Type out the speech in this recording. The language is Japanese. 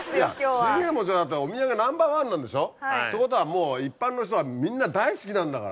信玄餅はだってお土産ナンバーワンなんでしょ？ってことはもう一般の人はみんな大好きなんだから。